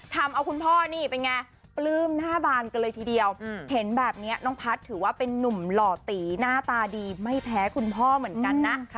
ทำเอาคุณพ่อนี่เป็นไงปลื้มหน้าบานกันเลยทีเดียวเห็นแบบนี้น้องพัฒน์ถือว่าเป็นนุ่มหล่อตีหน้าตาดีไม่แพ้คุณพ่อเหมือนกันนะ